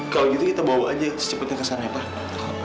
kalau gitu kita bawa aja secepatnya kesana ya pak